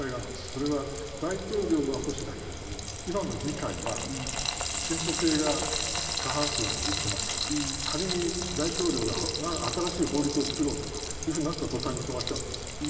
それは大統領は保守だけども今の議会は進歩系が過半数を握っていますから仮に大統領が新しい法律を作ろうとかってなった途端に止まっちゃうんです。